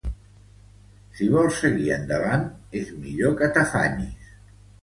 Si vols seguir endavant, és millor que t'afanyis.